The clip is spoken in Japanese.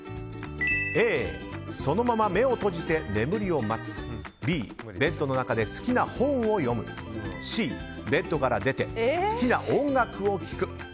Ａ、そのまま目を閉じて眠りを待つＢ、ベッドの中で好きな本を読むＣ、ベッドから出て好きな音楽を聴く。